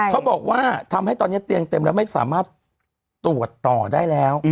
เขาบอกว่าทำให้ตอนนี้เตียงเต็มแล้วไม่สามารถตรวจต่อได้แล้ว